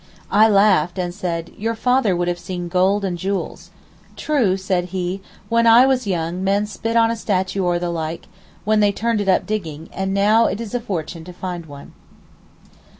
I laughed, and said, 'Your father would have seen gold and jewels.' 'True,' said he, 'when I was young, men spit on a statue or the like, when they turned it up in digging, and now it is a fortune to find one.